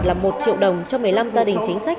là một triệu đồng cho một mươi năm gia đình chính sách